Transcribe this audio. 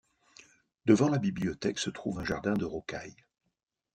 Devant la bibliothèque se trouve un jardin de rocailles.